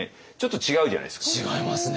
違いますね！